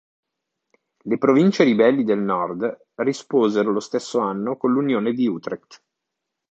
Le province ribelli del nord risposero lo stesso anno con l'Unione di Utrecht.